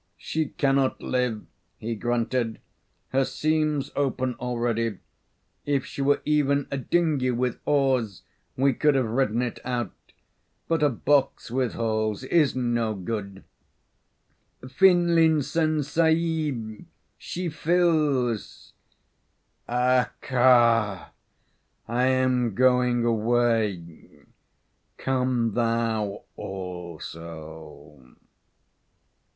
"She cannot live," he grunted. "Her seams open already. If she were even a dinghy with oars we could have ridden it out; but a box with holes is no good. Finlinson Sahib, she fills." "Accha! I am going away. Come thou also."